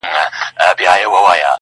نوی منبر به جوړوو زاړه یادونه سوځو،